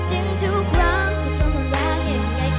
จึงทุกครั้งส่วนตัวมันว่ายังไง